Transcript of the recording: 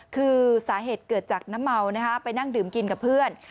คือสาเหตุเกิดจากน้ำเมานะคะไปนั่งดื่มกินกับเพื่อน